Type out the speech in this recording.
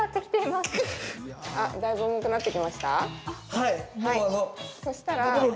はい。